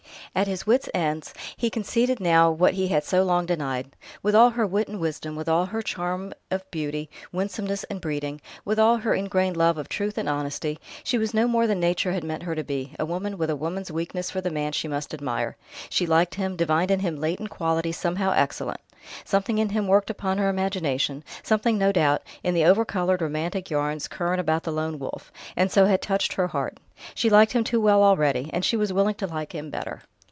At his wits' ends, he conceded now what he had so long denied. With all her wit and wisdom, with all her charm of beauty, winsomeness, and breeding, with all her ingrained love of truth and honesty, she was no more than Nature had meant her to be, a woman with woman's weakness for the man she must admire. She liked him, divined in him latent qualities somehow excellent. Something in him worked upon her imagination, something, no doubt, in the overcoloured, romantic yarns current about the Lone Wolf, and so had touched her heart. She liked him too well already, and she was willing to like him better.